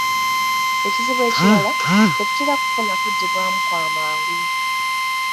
Ekizibu ekirala, tetutera kufuna kuddibwamu kwa mangu.